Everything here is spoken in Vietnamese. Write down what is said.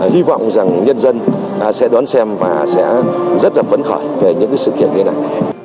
hy vọng rằng nhân dân sẽ đón xem và sẽ rất là phấn khởi về những sự kiện như thế này